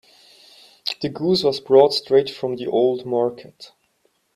The goose was brought straight from the old market.